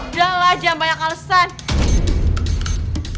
udah lah jangan banyak alesan